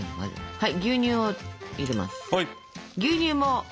はい。